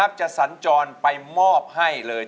เพื่อจะไปชิงรางวัลเงินล้าน